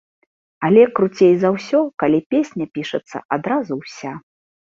Але круцей за ўсё, калі песня пішацца адразу ўся.